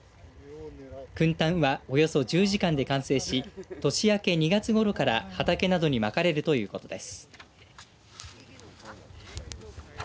くん炭はおよそ１０時間で完成し年明け２月ごろから畑などにまかれるということです。